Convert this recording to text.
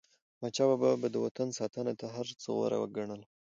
احمدشاه بابا به د وطن ساتنه تر هر څه غوره ګڼله.